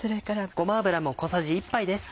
ごま油も小さじ１杯です。